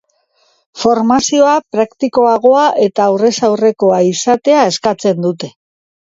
Formazioa praktikoagoa eta aurrez aurrekoa izatea eskatzen dute.